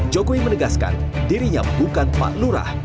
jokowi menegaskan dirinya bukan pak lurah